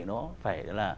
nó phải là